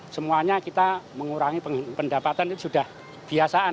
semuanya kita mengurangi pendapatan itu sudah biasaan